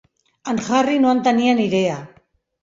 En Harry no en tenia ni idea.